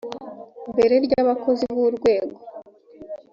mbere ry abakozi b urwego